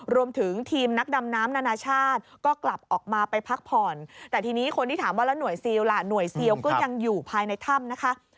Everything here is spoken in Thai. รวมถึงทีมนักดำน้ำนานาชาติก็กลับออกมาไปพักผ่อนแต่ทีนี้คนที่ถามว่าแล้วหน่วยซิลล่ะหน่วยซิลก็ยังอยู่ภายในถ้ำนะคะ